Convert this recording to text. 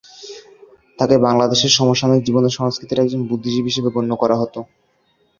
তাকে বাংলাদেশের সমসাময়িক জীবন ও সংস্কৃতির একজন বুদ্ধিজীবী হিসেবে গণ্য করা হত।